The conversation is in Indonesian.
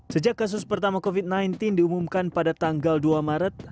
sejak kasus pertama covid sembilan belas diumumkan pada tanggal dua maret